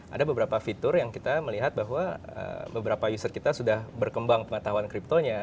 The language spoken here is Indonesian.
ada beberapa fitur yang kita melihat bahwa beberapa user kita sudah berkembang pengetahuan kriptonya